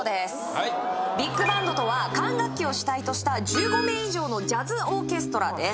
はいビッグバンドとは管楽器を主体とした１５名以上のジャズオーケストラです